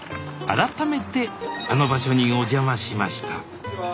改めてあの場所にお邪魔しましたこんにちは。